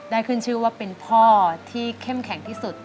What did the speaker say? ขึ้นชื่อว่าเป็นพ่อที่เข้มแข็งที่สุด